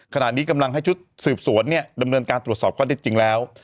ขณะนี้กำลังให้ชุดสืบสวนเนี่ยดำเนินการตรวจสอบข้อได้จริงแล้ว